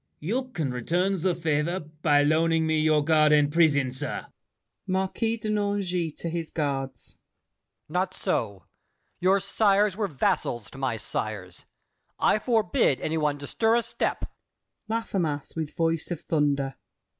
You can return the favor By loaning me your guard and prison, sir. MARQUIS DE NANGIS (to his Guards). Not so! Your sires were vassals to my sires. I forbid any one to stir a step. LAFFEMAS (with voice of thunder).